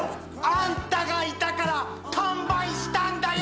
あんたがいたから完売したんだよ！